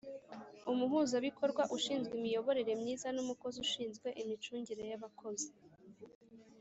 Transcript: Umuhuzabikorwa ushinzwe imiyoborere myiza n umukozi ushinzwe imicungire y abakozi